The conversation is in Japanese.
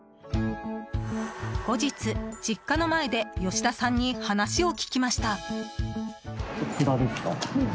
後日、実家の前で吉田さんに話を聞きました。